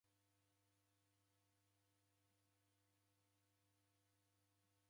Kaw'ika nyamandu mzinyi kurizighane nicha.